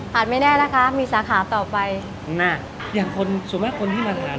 ไม่แน่นะคะมีสาขาต่อไปน่ะอย่างคนส่วนมากคนที่มาทาน